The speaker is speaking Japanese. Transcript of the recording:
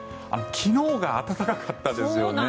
昨日が暖かかったですよね。